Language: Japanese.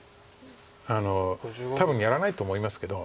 多分やらないと思いますけど。